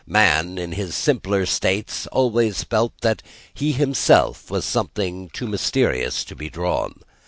Man, in his simpler states, always felt that he himself was something too mysterious to be drawn.